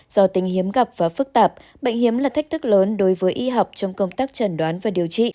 do tình hiếm gặp và phức tạp bệnh hiếm là thách thức lớn đối với y học trong công tác trần đoán và điều trị